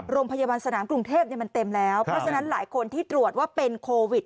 โรงพยาบาลสนามกรุงเทพมันเต็มแล้วเพราะฉะนั้นหลายคนที่ตรวจว่าเป็นโควิด